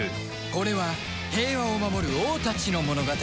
これは平和を守る王たちの物語